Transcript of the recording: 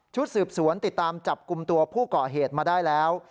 สืบสวนติดตามจับกลุ่มตัวผู้ก่อเหตุมาได้แล้ว